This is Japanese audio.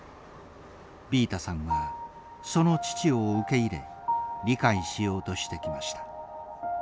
ビータさんはその父を受け入れ理解しようとしてきました。